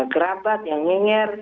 kerabat yang nginger